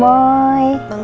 bangun yuk sayang